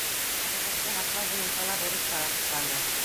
Тәбиғәтте һаҡлау буйынса ла бурыстар асыҡланды.